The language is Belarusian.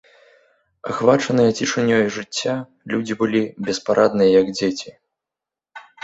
Ахвачаныя цішынёю жыцця, людзі былі беспарадныя, як дзеці.